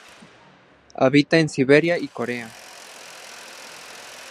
Habita en Siberia y Corea.